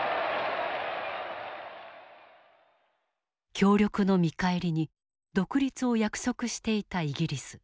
協力の見返りに独立を約束していたイギリス。